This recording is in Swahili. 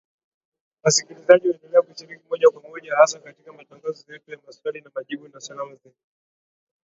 Wasikilizaji waendelea kushiriki moja kwa moja hasa katika matangazo yetu ya Maswali na Majibu na Salamu Zenu.